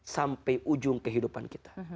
sampai ujung kehidupan kita